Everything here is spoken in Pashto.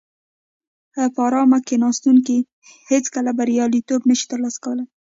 په ارامه کیناستونکي هیڅکله بریالیتوب نشي ترلاسه کولای.